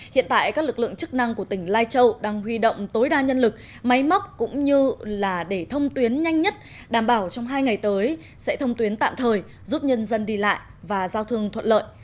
hiện tại các lực lượng chức năng của tỉnh lai châu đang huy động tối đa nhân lực máy móc cũng như là để thông tuyến nhanh nhất đảm bảo trong hai ngày tới sẽ thông tuyến tạm thời giúp nhân dân đi lại và giao thương thuận lợi